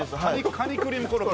かにクリームコロッケ？